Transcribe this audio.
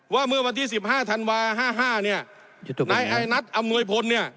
ว่าเมื่อวันที่๑๕ธันวา๕๕เนี่ยนายอายนัทอำนวยพลเนี่ย